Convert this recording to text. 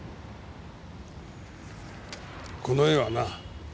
この絵はな